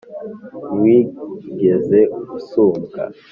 Ntiwigeze usumbwa